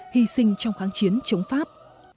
hy sinh trong kháng chiến chống pháp